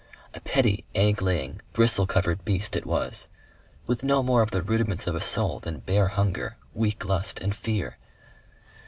A petty egg laying, bristle covered beast it was, with no more of the rudiments of a soul than bare hunger, weak lust and fear....